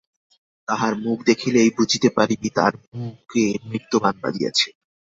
তাহার মুখ দেখিলেই বুঝিতে পারিবি, তার বুকে মৃত্যুবাণ বাজিয়াছে।